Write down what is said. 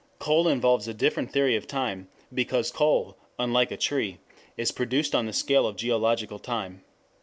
Coal involves a different theory of time, because coal, unlike a tree, is produced on the scale of geological time.